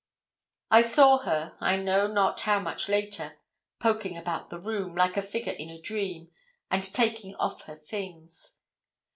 I saw her, I know not how much later, poking about the room, like a figure in a dream, and taking off her things.